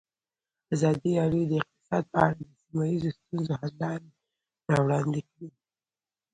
ازادي راډیو د اقتصاد په اړه د سیمه ییزو ستونزو حل لارې راوړاندې کړې.